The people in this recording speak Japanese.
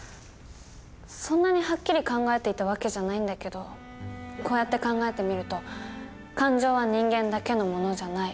そんなにはっきり考えていた訳じゃないんだけどこうやって考えてみると「感情は人間だけのものじゃない。